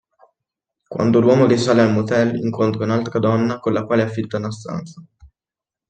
Quando l'uomo risale al motel incontra un'altra donna con la quale affitta una stanza.